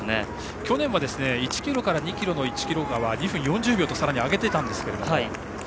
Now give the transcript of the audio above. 去年は１ｋｍから２ｋｍへの１ｋｍを２分４０秒とさらに上げていましたが。